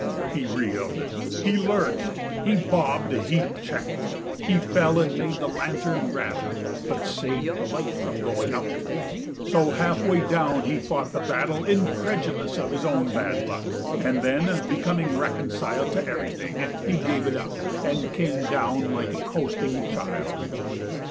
He reeled, he lurched, he bobbed, he checked; He fell and made the lantern rattle (But saved the light from going out.) So half way down he fought the battle Incredulous of his own bad luck. And then becoming reconciled To everything, he gave it up And came down like a coasting child.